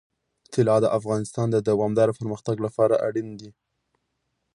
طلا د افغانستان د دوامداره پرمختګ لپاره اړین دي.